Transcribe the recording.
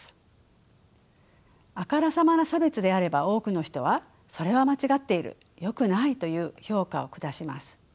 あからさまな差別であれば多くの人はそれは間違っているよくないという評価を下します。